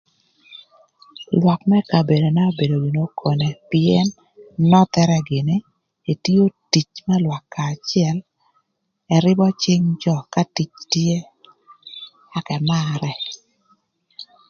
Lwak më kabedona obedo gïnï okone pïën nothere gïnï etio tic kï lwak kacel, eribo cing jö ï tic na tye, ëka ëmarë